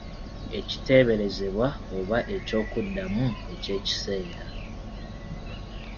Ekiteeberezebwa oba eky'okuddamu ekyekiseera.